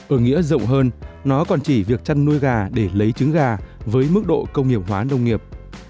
ở nghĩa rộng hơn nó còn chỉ việc chăn nuôi gà để lấy trứng gà với mức độ công nghiệp hóa nông nghiệp